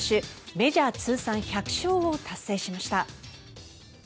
メジャー通算１００勝を達成しました。